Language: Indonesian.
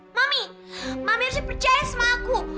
mami mami harus dipercaya sama aku